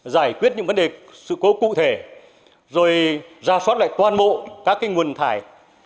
giải quyết những vấn đề sự cố cụ thể rồi ra soát lại toàn bộ các nguồn thải